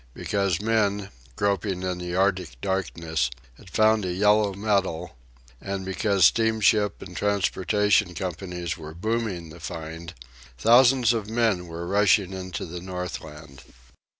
Because men, groping in the Arctic darkness, had found a yellow metal, and because steamship and transportation companies were booming the find, thousands of men were rushing into the Northland.